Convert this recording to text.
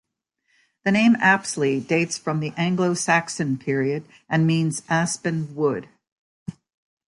The name Apsley dates from the Anglo-Saxon period and means "aspen wood".